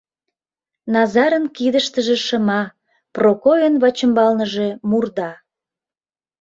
Назарын кидыштыже шыма, Прокойын вачымбалныже мурда.